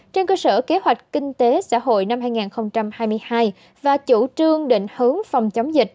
trên cơ sở kế hoạch kinh tế xã hội năm hai nghìn hai mươi hai và chủ trương định hướng phòng chống dịch